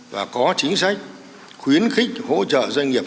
và có chính sách khuyến khích hỗ trợ doanh nghiệp